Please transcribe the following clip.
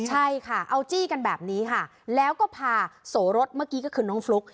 ใช่ค่ะเอาจี้กันแบบนี้ค่ะแล้วก็พาโสรสเมื่อกี้ก็คือน้องฟลุ๊ก